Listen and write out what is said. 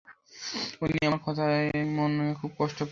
উনি আমার কথায় মনে খুব কষ্ট পেলেন।